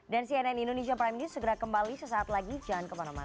dan cnn indonesia prime news segera kembali sesaat lagi jangan kemana mana